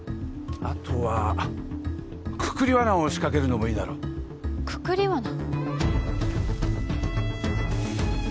あとはくくりわなを仕掛けるのもいいだろうくくりわな？